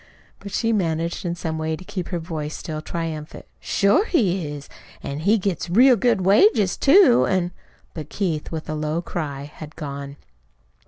But she managed in some way to keep her voice still triumphant. "Sure he is! An' he gets real good wages, too, an' " But Keith with a low cry had gone.